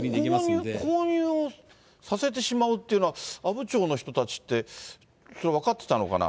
ここで購入をさせてしまうっていうのは、阿武町の人たちって、それ分かってたのかな。